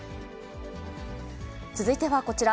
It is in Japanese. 続いてはこちら。